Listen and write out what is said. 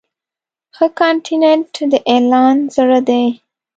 ښه کانټینټ د اعلان زړه دی.